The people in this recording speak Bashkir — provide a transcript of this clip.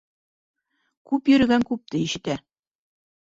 Күп йөрөгән күпте ишетә.